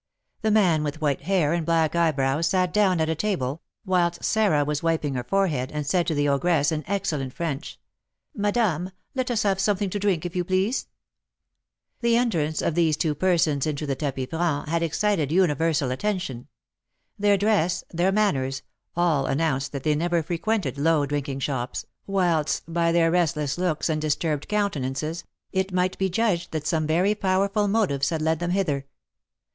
The man with white hair and black eyebrows sat down at a table, whilst Sarah was wiping her forehead, and said to the ogress, in excellent French, "Madame, let us have something to drink, if you please." The entrance of these two persons into the tapis franc had excited universal attention. Their dress, their manners, all announced that they never frequented low drinking shops, whilst, by their restless looks and disturbed countenances, it might be judged that some very powerful motives had led them hither.